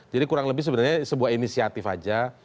jadi kurang lebih sebenarnya sebuah inisiatif aja